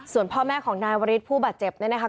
ส่วนพ่อแม่ของนายวริสผู้บาดเจ็บนะครับ